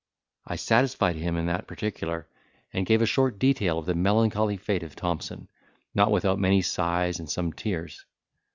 I satisfied him in that particular, and gave a short detail of the melancholy fate of Thompson, not without many sighs and some tears.